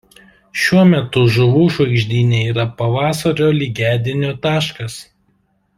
Šiuo metu žuvų žvaigždyne yra pavasario lygiadienio taškas.